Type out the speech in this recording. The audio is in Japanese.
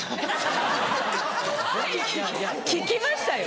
聞きましたよ。